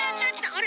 あれ？